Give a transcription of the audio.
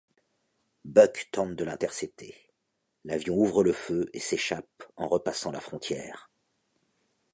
Buck tente de l'intercepter, l'avion ouvre le feu et s'échappe en repassant la frontière.